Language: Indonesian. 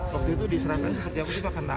waktu itu diserahkan seperti apa